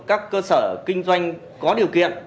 các cơ sở kinh doanh có điều kiện